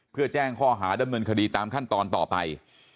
เพื่อแจ้งข้อหาดำเนินคดีตามขั้นตอนต่อไป